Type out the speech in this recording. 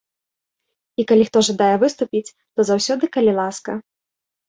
І калі хто жадае выступіць, то заўсёды калі ласка.